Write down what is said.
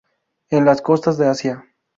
En las costas de Asia.